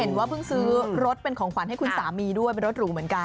ว่าเพิ่งซื้อรถเป็นของขวัญให้คุณสามีด้วยเป็นรถหรูเหมือนกัน